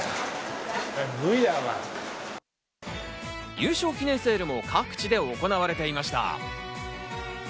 優勝記念セールも各地で行われていました。